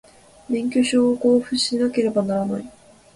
免許証を交付しなければならない